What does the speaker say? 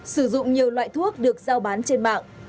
sử dụng nhiều loại thuốc được giao bán trên mạng